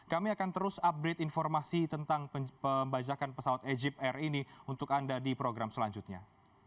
kami akan terus update informasi tentang pembajakan pesawat egypt air ini untuk anda di program selanjutnya